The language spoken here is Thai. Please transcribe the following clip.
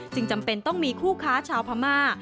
จำเป็นต้องมีคู่ค้าชาวพม่า